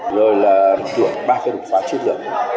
rồi là chuẩn ba cái đục phá chất lượng